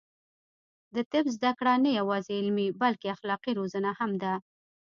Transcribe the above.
د طب زده کړه نه یوازې علمي، بلکې اخلاقي روزنه هم ده.